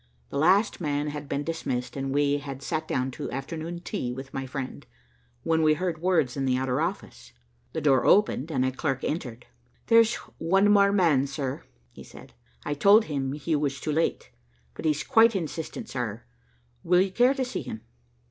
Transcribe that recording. The last man had been dismissed and we had sat down to afternoon tea with my friend, when we heard words in the outer office. The door opened and a clerk entered. "There's one man more, sir," he said, "I told him he was too late, but he's quite insistent, sir. Will you care to see him?"